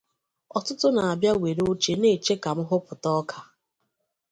Ọtụtụ na-abịa were oche na-eche ka m hụpụta ọka